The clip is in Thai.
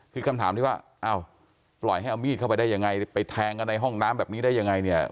คือคำถามที่ว่าอ้าวปล่อยให้เอามีดเข้าไปได้ยังไงไปแทงกันในห้องน้ำแบบนี้ได้ยังไงเนี่ย